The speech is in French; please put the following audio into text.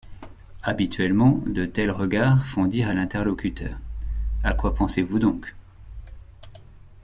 Habituellement de tels regards font dire à l’interlocuteur: « À quoi pensez-vous donc?